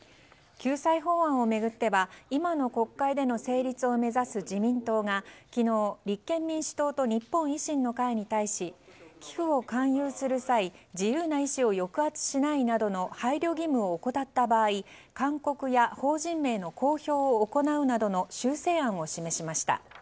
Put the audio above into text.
救済法案を巡っては今の国会での成立を目指す自民党が昨日、立憲民主党と日本維新の会に対し寄付を勧誘する際自由な意思を抑圧しないなどの配慮義務を怠った場合勧告や法人名の公表を行うなどの修正案を示しました。